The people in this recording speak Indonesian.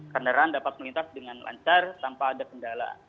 kendaraan dapat melintas dengan lancar tanpa ada kendala